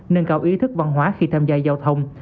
nâng cao ý thức văn hóa khi tham gia giao thông